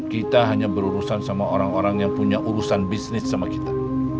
kita hanya berurusan sama orang orang yang punya urusan bisnis sama kita